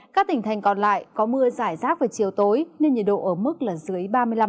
các tỉnh thành còn lại có mưa giải rác vào chiều tối nên nhiệt độ ở mức là dưới ba mươi năm độ